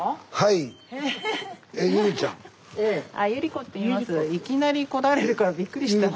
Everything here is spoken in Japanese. いきなり来られるからびっくりした。